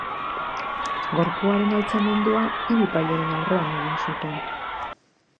Gorpuaren altxamendua hiru epaileren aurrean egin zuten.